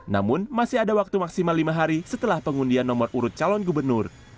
namun masih ada waktu maksimal lima hari setelah pengundian nomor urut calon gubernur